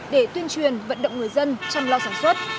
để tuyên truyền vận động người dân chăm lo sản xuất